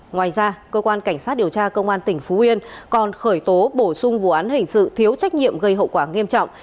ngoài ra cơ quan cảnh sát điều tra công an tỉnh phú yên còn khởi tố bổ sung vụ án hình sự thiếu trách nhiệm gây hậu quả nghiêm trọng